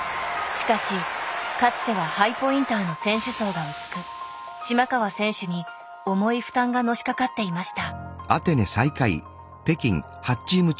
しかしかつてはハイポインターの選手層が薄く島川選手に重い負担がのしかかっていました。